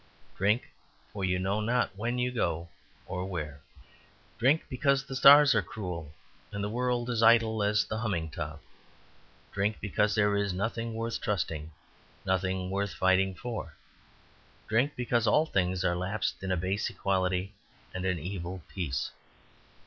Drink, for you know not when you go nor where. Drink, because the stars are cruel and the world as idle as a humming top. Drink, because there is nothing worth trusting, nothing worth fighting for. Drink, because all things are lapsed in a base equality and an evil peace."